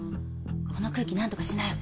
この空気なんとかしなよ。